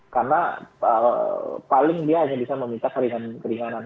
karena paling dia hanya bisa meminta keringan keringanan